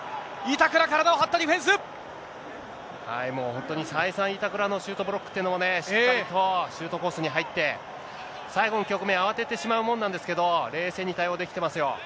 板倉、体を張もう本当に、再三、板倉のシュートブロックっていうのをね、しっかりと、シュートコースに入って、最後の局面、慌ててしまうものなんですけど、冷静に対応できてますよ。